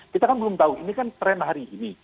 kita kan belum tahu ini kan tren hari ini